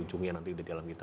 cumia nanti di dalam kita